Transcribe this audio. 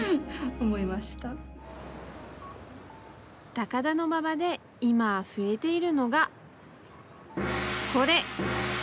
高田馬場で今、増えているのがこれ。